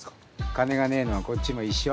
金がねえのはこっちも一緒。